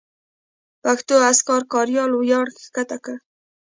پښتو اذکار کاریال وړیا کښته کړئ.